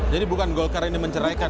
jadi bukan golkar ini menceraikan